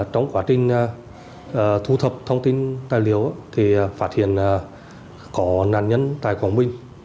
trong quá trình thu thập thông tin tài liệu thì phát hiện có nạn nhân tại quảng bình